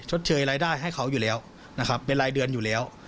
เชยรายได้ให้เขาอยู่แล้วนะครับเป็นรายเดือนอยู่แล้ว